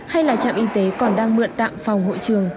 hay là trạm y tế còn đang mượn tạm phòng hội trường